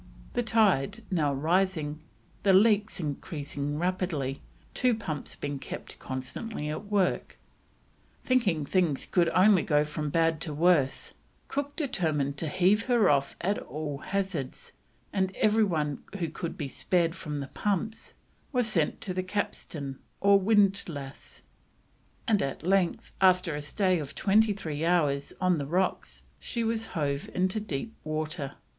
The tide now rising, the leaks increased rapidly, two pumps being kept constantly at work. Thinking things could only go from bad to worse, Cook determined to heave her off at all hazards, and every one who could be spared from the pumps was sent to the capstan or windlass, and at length, after a stay of twenty three hours on the rocks, she was hove into deep water.